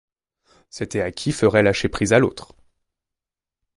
C’était à qui ferait lâcher prise à l’autre.